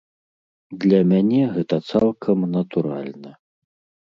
Для мяне гэта цалкам натуральна.